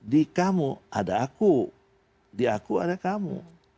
di kamu ada aku di aku ada kamu